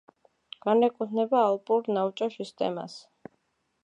განეკუთვნება ალპურ ნაოჭა სისტემას.